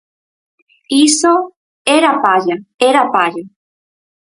Iso... era palla, era palla.